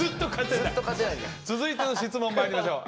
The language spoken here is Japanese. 続いての質問まいりましょう。